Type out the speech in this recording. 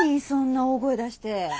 そんな大声出して。